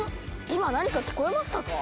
今何か聞こえましたか？